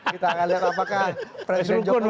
kita akan lihat apakah presiden jokowi